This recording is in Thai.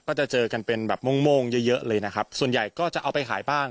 จะเจอกันเป็นแบบโม่งโม่งเยอะเยอะเลยนะครับส่วนใหญ่ก็จะเอาไปขายบ้าง